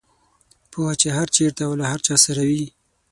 پوهه چې هر چېرته او له هر چا سره وي.